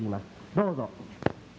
どうぞ。